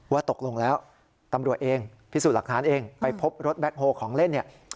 ว่าตกลงแล้วตำรวจเองพิสูจน์หลักฐานเองไปพบรถแบ็คโฮลของเล่นเนี่ย